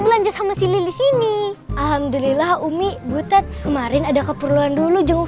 belanja sama sili di sini alhamdulillah umi butet kemarin ada keperluan dulu jenguk